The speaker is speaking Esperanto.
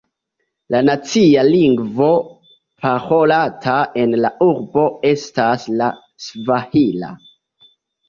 La nacia lingvo parolata en la urbo estas la svahila.